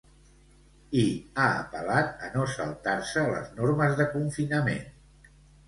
I ha apel·lat a no saltar-se les normes de confinament.